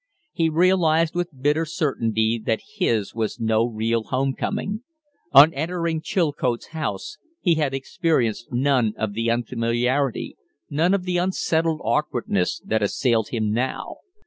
He realized with bitter certainty that his was no real home coming. On entering Chilcote's house he had experienced none of the unfamiliarity, none of the unsettled awkwardness, that assailed him now.